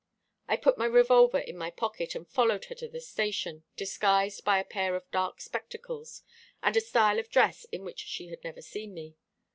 I put my revolver in my pocket, and followed her to the station, disguised by a pair of dark spectacles and a style of dress in which she had never seen me.